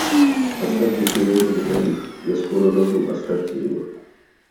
Оставьте Сережу до моих... Я скоро рожу, оставьте его!